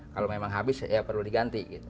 kalau memang habis ya perlu diganti gitu